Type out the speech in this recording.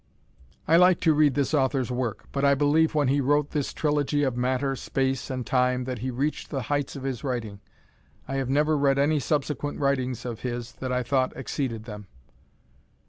I like to read this author's work, but I believe when he wrote this trilogy of Matter, Space and Time that he reached the heights of his writing. I have never read any subsequent writings of his that I thought exceeded them.